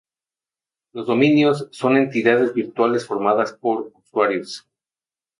Los dominios son entidades virtuales formadas por usuarios.